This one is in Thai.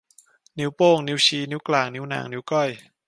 นิ้วโป้ง นิ้วชี้ นิ้วกลาง นิ้วนาง นิ้วก้อย